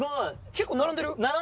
結構並んでる。